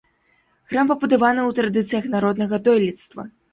Храм пабудаваны ў традыцыях народнага дойлідства.